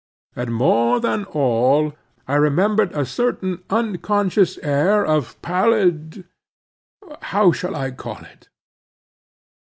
And more than all, I remembered a certain unconscious air of pallid—how shall I call it?